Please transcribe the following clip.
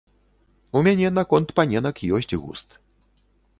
У мяне наконт паненак ёсць густ.